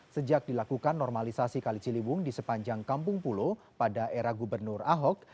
sejak dilakukan normalisasi kali ciliwung di sepanjang kampung pulo pada era gubernur ahok